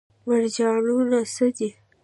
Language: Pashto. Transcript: مرجانونه څه دي؟